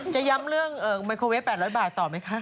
จะย้ำเรื่องไมโครเวฟ๘๐๐บาทต่อไหมคะ